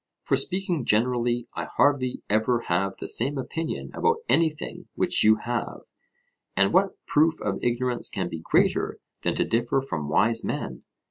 For speaking generally, I hardly ever have the same opinion about anything which you have, and what proof of ignorance can be greater than to differ from wise men?